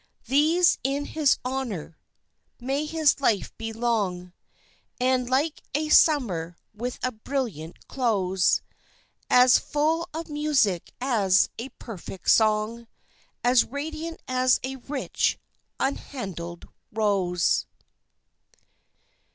These in his honour. May his life be long, And, like a summer with a brilliant close, As full of music as a perfect song, As radiant as a rich, unhandled rose.